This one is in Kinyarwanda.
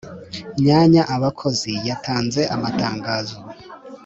myanya abakozi yatanze amatangazo